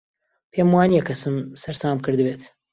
پێم وا نییە کەسم سەرسام کردبێت.